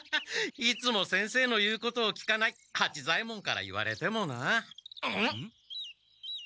いつも先生の言うことを聞かない八左ヱ門から言われてもな！